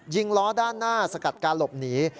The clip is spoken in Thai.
ล้อด้านหน้าสกัดการหลบหนี